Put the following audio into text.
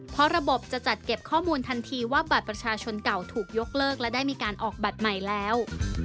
เพราะระบบจะจัดเก็บข้อมูลทันทีว่าบัตรประชาชนเก่าถูกยกเลิกและได้มีการออกบัตรใหม่แล้ว